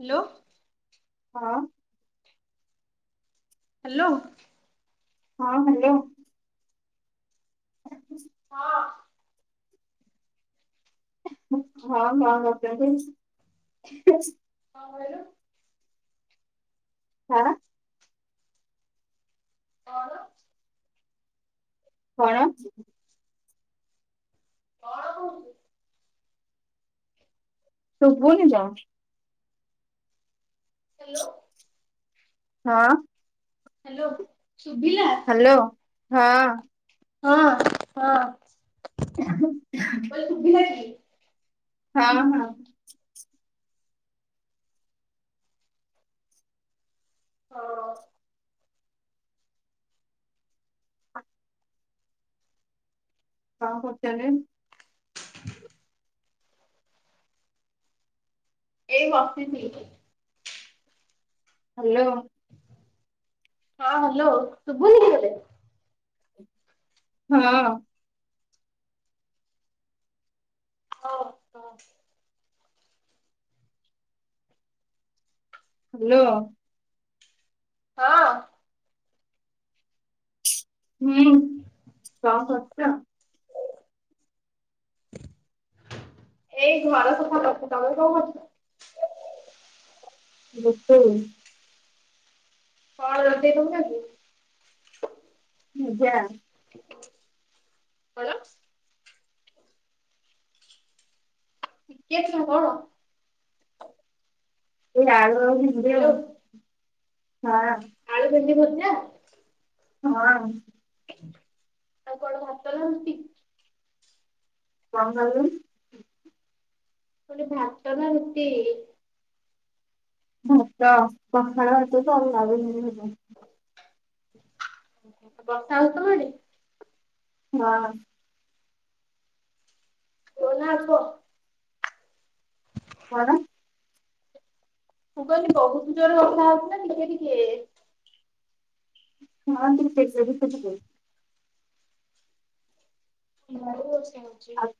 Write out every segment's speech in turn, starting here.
Hello. ହଁ। Hello. ହଁ hello. ହଁ। ହଁ ହାଁ ମାରୁଛ କାଇଁ। କଁ କହିଲ। କଣ। କଁ ହେଲା। କଣ। କଣ କହୁଛୁ? ଶୁଭୁନି ତ। ହାଲୋ। ହଁ। ହାଲୋ ସୁଭିଲା। ହାଲୋ ହଁ। ହଁ ହଁ। [inaudible] ତ ତେ ତେ ଶୁଭିଗଲା କୀ। ହଁ ହଁ। ହଁ। କଣ କରୁଛନ୍ତି। [inaudible] ଏଇ ବସିଚି। ହାଲୋ। ହଁ ହାଲୋ ଶୁଭୁନି କି ତତେ। ହଁ। ହଁ ତ। ହାଲୋ। ହଁ। ହୁଁ କଣ କରୁଛ? ଏଇ ଘର ସଫା କରୁଛି, ତମେ କଣ କରୁଛ? ରୋଷେଇ। କଣ ରୋଷେଇ କରୁଛ ଆଜି? ଭଜା। କଣ? ଟିକେ ଚୁପ ହବ‌। ଏ ଆଳ ଆଉ ଭେଣ୍ଡି ଆଉ ହ୍ୟାଲୋ ହଁ। ଆଳୁ ଭେଣ୍ଡି ଭଜା। ହଁ। ଆଉ କଣ ଭାତ ଲାଗନ୍ତି? କଅଁ ଖାଇବୁ? ମୁଁ କହିଲି ଭାତ ନା ରୁଟି? ଭାତ। ପଖାଳ ଭାତକୁ ଆଉ [unintelligible] ଭଜା। ବର୍ଷା ହଉଚି ତମ ଆଡ଼େ? ହଁ। [unintelligible] କଣ? ମୁଁ କହିଲି ବହୁତ ଜୋର ବର୍ଷା ହଉଛି ନା ଟିକେ ଟିକେ? ହଁ ଟିକେ ଛାଡ଼ିଯାଇଚି ଟିକେ। ଘରେ ବି ବର୍ଷା ହଉଚି। ଆଉ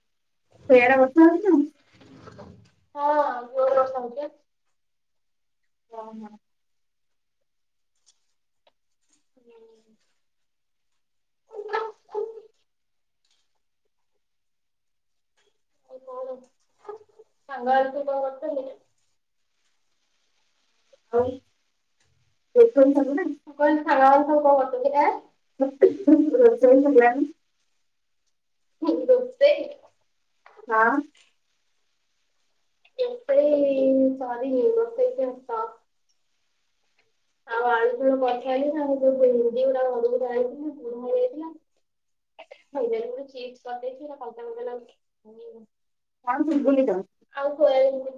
ସିଆଡେ ବର୍ଷା ହଉଛି ନା? ହଁ ଜୋରେ ବର୍ଷା ହଉଛି ପା। ହଁ ହଁ। ହୁଁ। ଏଇ କଣ, ସାଙ୍ଗମାନେ ତ [unintelligible] ଆଉ [unintelligible] ମୁଁ କହିଲି [unintelligible] ଗପିଥିଲା? [unintelligible] ରୋଷେଇ ସରିଲାଣି। ମୁଁ ରୋଷେଇ ହଁ। ରୋଷେଇ ସରିନି, ରୋଷେଇ [unintelligible] ଆଉ ଆଳୁ ଝୋଳ କରିସାଇଲେଣି ଆଉ ଯୋଉ ଭେଣ୍ଡି ଗୁଡ଼ା ଘରକୁ ଯାଇଥିଲି କୁରୁମ ହେଇଯାଇଥିଲା [unintelligible] ଚିପ୍ସ କରିଦେଇଛି ଏଇରା କଞ୍ଚା [unintelligible] କଣ ଶୁଭୁନି ତ? ଆଉ ସୋୟବିନି।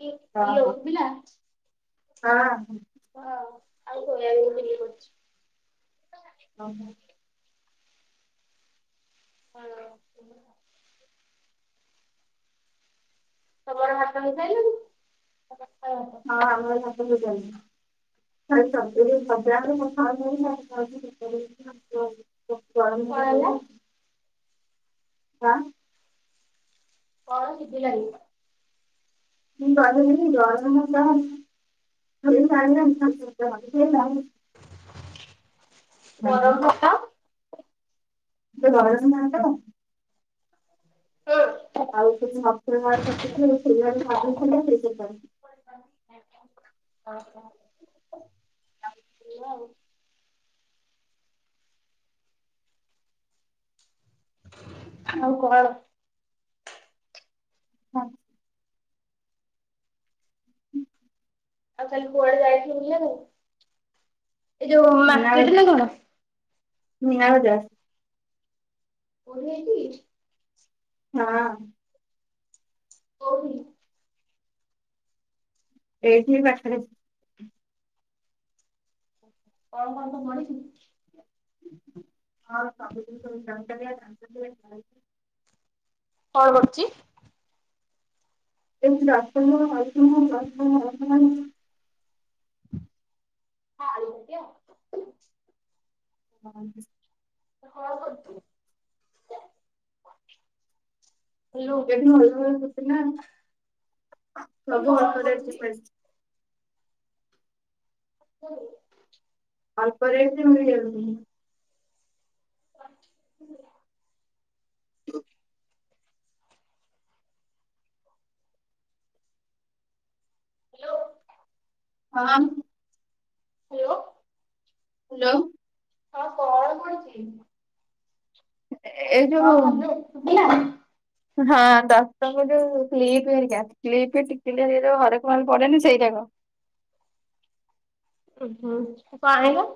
କି ହ୍ୟାଲୋ ହଁ ଶୁଭିଲା? ହଁ। ହଁ ଆଉ ସୋୟାବିନି ଚିଲ୍ଲି କରଛି। ହଁ। ହାଲୋ [unintelligible] ତମର ଭାତ ହେଇ ସାଇଲାଣି [unintelligible] ହଁ ଆମର ଭାତ [unintelligible] [unintelligible] କଣ ହେଲା? [unintelligible] ହଁ। କଣ ଶୁଭିଲାନି? [unintelligible] ଗରମ ଭାତ ଦେ ଗରମ ଭାତ ହଁ। ଆଉ [unintelligible] ଓହୋ। ହାଲୋ। ଆଉ କଣ? ହଁ। ଆଉ କାଲି କୁଆଡେ ଯାଇଥିଲୁ ବୁଲିଆକୁ? ଏଇ ଯୋଉ ମୀନା ମାର୍କେଟ ନା କଣ? ମୀନା ବଜାର। କୋଉଠି ହେଇଚି? ହଁ। କୋଉଠି? ଏଇଠି ପାଖେରେ। କଣ କଣ ସବୁ ପଡିଚି? ହଁ ସବୁଦିନ [unintelligible] କଣ କରୁଚି? [unintelligible] ହଁ [unintelligible] ହଁ। ହଁ ବଧୁ ଏଠି କହିଲି କଣ [unintelligible] ପଡିଛି? ହୁଁ। ଅଳ୍ପରେ ମିଳି [unintelligible] [unintelligible] ହାଲୋ। ହଁ। ହାଲୋ। ହାଲୋ। ହଁ କଣ କଉଚି? ହଁ ହାଲୋ ଶୁବିଲା? ହଁ ଦଶଟଙ୍କା ଯୋଉ କ୍ଲିପ ହେରିକା। କ୍ଲିପ୍ ଟିକିଲି ହେରିକା ଯୋଉ ହରେକମାଲ ପଡେନି ସେଇରାକ। ଉଁ ହୁଁ କଣ ଆଣିବ?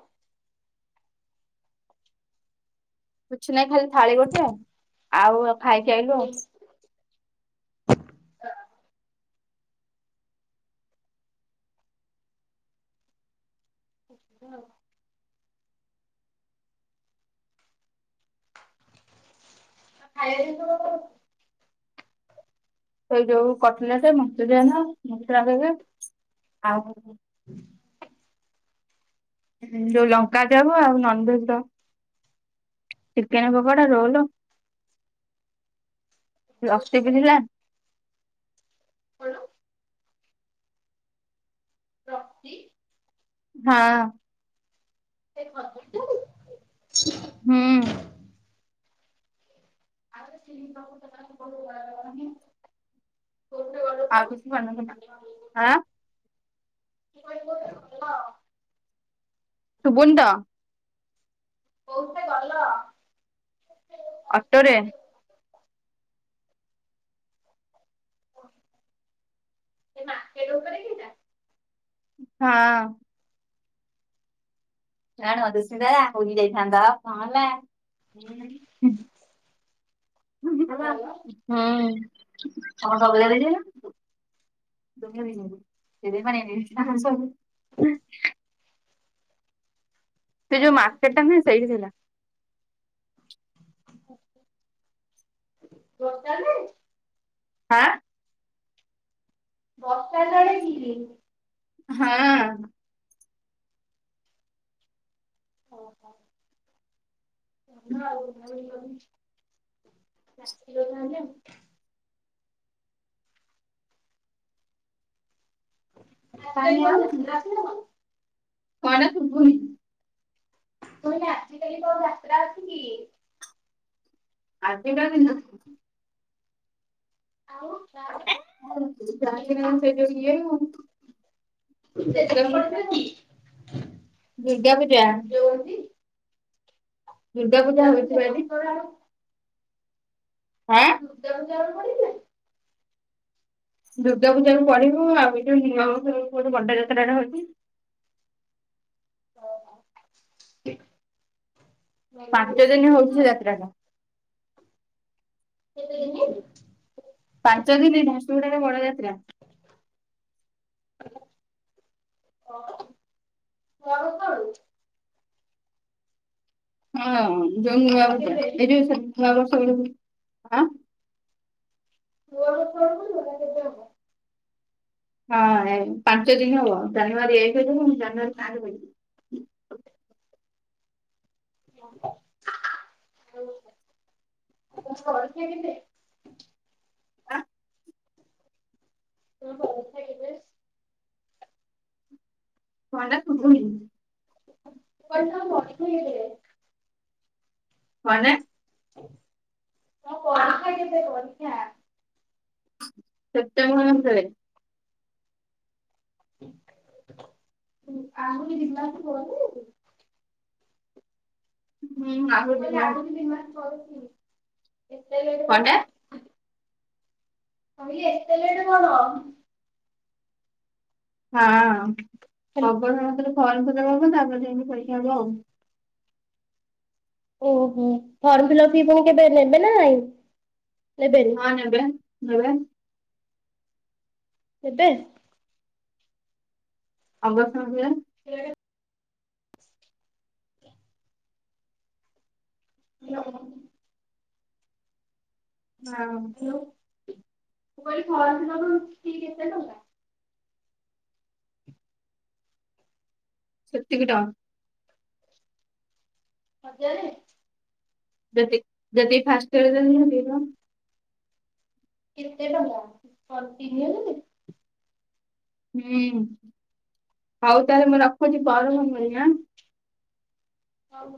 କିଛି ନାହିଁ ଖାଲି ଥାଳି ଗୋଟେ ଆଉ ଖାଇକି ଆଇଲୁ ଆଉ। କୋଉଥିରେ [unintelligible] ଖାଇଆ ଜିନିଷ ସେଇ ଯୋଉ କଟଲେଟ, ମନଚୁରିଆନ, ମଥୁରା କେକେ ଆଉ ହୁଁ ଯୋଉ ଲଙ୍କା ଚପ ଆଉ ଆଉ ନନଭେଜ ର ଚିକେନ ପକଡା ରୋଲ। [inaudible] ଲସି କିଣିଲା। କଣ? [unintelligible] ହଁ। [unintelligible] ହୁଁ। [unintelligible] ଆଉ କିଛି ବନେଇବି ନା ଆଁ। [unintelligible] ଶୁବୁନି ତ କୋଉଥିରେ ଗଲ? ଅଟୋରେ। [unintelligible] ଉପରେ କି? ହଁ। ରାଣ [unintelligible] କହିଯାଇଥାନ୍ତା କଣ ହେଲା ହୁଁ। ହୁଁ ହୁଁ ହୁଁ କଣ ସବୁ [unintelligible] [unintelligible] ସେ ଯୋଉ ମାର୍କେଟ ଟା ନୁହେଁ ସେଇଠି ଥିଲା। ବୋତଲରେ ଆଁ। ବର୍ଷା ଜଳେ କି ହଁ। ହଉ ହଉ। [unintelligible] କାହିଁ ଆଉ [unintelligible] କଣ ଶୁଭୁନି? ତୁମେ ଆଜି କାଲି କୋଉ ଯାତ୍ରା ଅଛି କି? ଆଜି ଟା ଦିନ ଆଉ। ଜାନ୍ତିନି ସେ ଯୋଉ ଇଏ ଆଉ। ସେ ଦୁର୍ଗା ଦେଖି ପୂଜା ପଡିଥିଲେ କି? ଦୁର୍ଗା ପୂଜା। ସୂର୍ଯ୍ୟବଂଶୀ ଦୁର୍ଗା ପୂଜା ହଉଚିବା ଏଠି। [unintelligible] ଗୁଦାମୁଜଳ ପଡିଥିଲା। ଦୁର୍ଗା ପୂଜା ପଢିବୁ ଆଉ ଏ ଯୋଉ ବଣ୍ଡ ଯାତ୍ରାଟା ହଉଛି। ଓହୋ ଠିକ। ପାଞ୍ଚ ଦିନ ହଉଛି ସେ ଯାତ୍ରା ଟା। କେତେ ଦିନି? ପାଞ୍ଚ ଦିନି ଝାରସୁଗୁଡାରେ ବଡଯାତ୍ରା। [inaudible] ଓ ମରୁ ତଳୁ। ହଁ ଯଉ ନୂଆ ଔଉଟା ଏଇ ନୂଆ ବର୍ଷ ବେଲୁକୁ ଆଁ। [unintelligible] ହଁ ପାଞ୍ଚ ଦିନ ହବ ଜାନୁଆରୀ ଏଇ କହିବ ମୁ ଜାନୁଆରୀ ପାଞ୍ଚ ରହିବି। [unintelligible] [unintelligible] ଓହୋ। [unintelligible] [unintelligible] କ ହେଳା? ହଁ ପରୀକ୍ଷା କେତେ ପରୀକ୍ଷା? ସେମ୍ପଟେବର ମାସରେ। [unintelligible] ହୁଁ ମୁଁ ଆହୁରି ଦି କହିଲି ମାସ ଆହୁଛି ଦି ମାସ କରୁଛି ଏତେ ଲେଟ୍ କର। କଣଟା କହିଲି ଏତେ ଲେଟ୍ କଣ? ହଁ ହବ ନା ମତରେ ଫର୍ମ ଫିଲପ୍ ହବ ତାପରେ ଯାଇକି ପରୀକ୍ଷା ହବ ଆଉ। ଓହୋ ଫର୍ମ ଫିଲ୍ ଫି କେବେ ନେବେ ନାଇ? ହଁ ନେବେ ନେବେ। ଏବେ। ଅଗଷ୍ଟ ମାସିଆ। ଏ ହ୍ୟାଲୋ। ହଁ। ମୁ କହିଲି ଫର୍ମ ଫିଲପ୍ ଫ୍ରି କେତେ ଟଙ୍କା? ସେତିକି ଟଙ୍କ। ହଜାରେ। [unintelligible] କେତେ ଟଙ୍କା କଣ୍ଟିନ୍ୟ ନଲେ? ହୁଁ ହଉ ତାହେଲେ ମୁଁ ରଖୁଛି ପରମ ହଜାରେ? ମଣିଆ। ହଉ।